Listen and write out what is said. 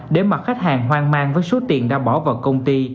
để mà khách hàng hoang mang với số tiền đã bỏ vào công ty